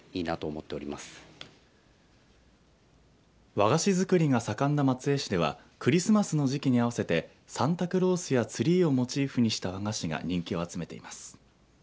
和菓子作りが盛んな松江市ではクリスマスの時期に合わせてサンタクロースやツリーをモチーフにした和菓子が人気を集めています。